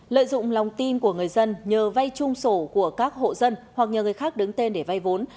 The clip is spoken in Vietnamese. lợi dụng lòng tin của người dân nhờ vay chung sổ của các hộ dân hoặc nhờ người khác đứng tên để vay vốn